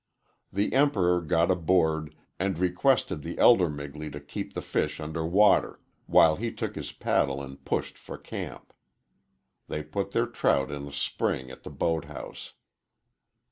The Emperor got aboard and requested the elder Migley to keep the fish under water, while he took his paddle and pushed for camp. They put their trout in a spring at the boat house.